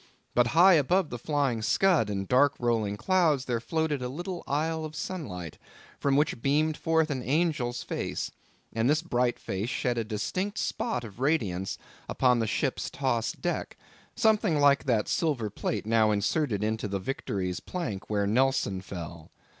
But high above the flying scud and dark rolling clouds, there floated a little isle of sunlight, from which beamed forth an angel's face; and this bright face shed a distinct spot of radiance upon the ship's tossed deck, something like that silver plate now inserted into the Victory's plank where Nelson fell.